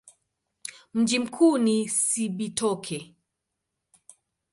Mji mkuu ni Cibitoke.